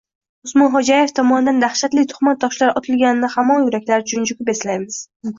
Usmonxo`jaev tomonidan dahshatli tuhmat toshlari otilganini hamon yuraklar junjikib eslaymiz